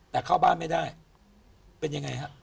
แต่เข้าบ้านไม่ได้เป็นยังไงฮะ